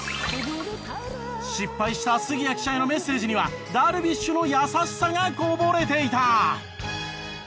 失敗した杉谷記者へのメッセージにはダルビッシュの優しさがこぼれていた。